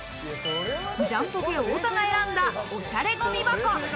ジャンポケ・太田が選んだ、おしゃれごみ箱。